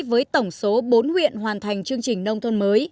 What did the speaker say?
với tổng số bốn huyện hoàn thành chương trình nông thôn mới